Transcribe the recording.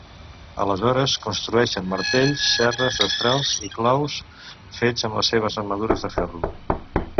Aleshores construeixen martells, serres, destrals i claus fets amb les seves armadures de ferro.